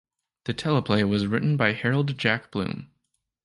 The teleplay was written by Harold Jack Bloom.